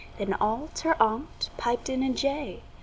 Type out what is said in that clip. Then all ter onct piped in a jay.